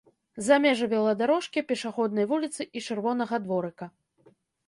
За межы веладарожкі, пешаходнай вуліцы і чырвонага дворыка.